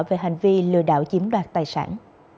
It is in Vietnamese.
về hành vi lừa đảo chiếm đoạt tài sản